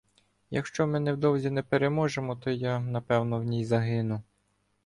Якщо ми невдовзі не переможемо, то я, напевно, в ній загину.